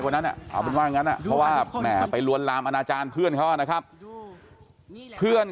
คนนั้นน่ะเพราะว่าแหมไปรวนรามอาณาจารย์เพื่อนเขานะครับเพื่อน